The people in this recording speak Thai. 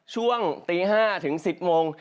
ช่วงตี๕๑๐โมง